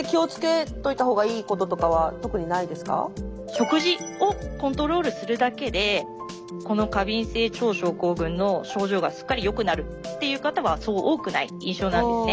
食事をコントロールするだけでこの過敏性腸症候群の症状がすっかりよくなるっていう方はそう多くない印象なんですね。